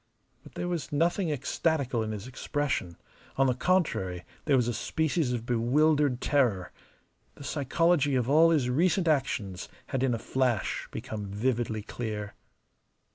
But there was nothing ecstatical in his expression; on the contrary, there was a species of bewildered terror. The psychology of all his recent actions had in a flash become vividly clear.